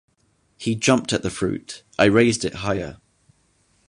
He jumped at the fruit; I raised it higher.